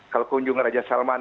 kalau kunjung raja salam